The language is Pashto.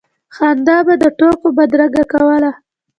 خندا به د ټوکو بدرګه کوله.